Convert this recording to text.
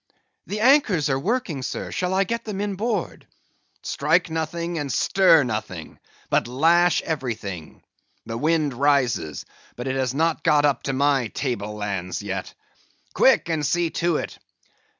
"The anchors are working, sir. Shall I get them inboard?" "Strike nothing, and stir nothing, but lash everything. The wind rises, but it has not got up to my table lands yet. Quick, and see to it.